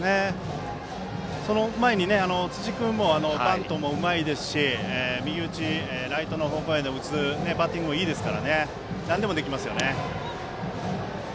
その前に辻君もバントもうまいですし右打ち、ライト方向へ打つバッティングもいいですからなんでもできますよね。